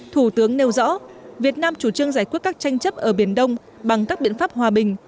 thủ tướng nêu rõ việt nam chủ trương giải quyết các tranh chấp ở biển đông bằng các biện pháp hòa bình